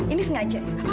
ini sengaja ya